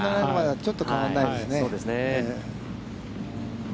ちょっと変わらないですね。